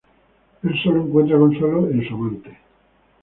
Él sólo encuentra consuelo en su amante.